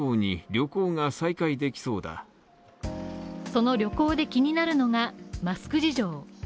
その旅行で気になるのがマスク事情。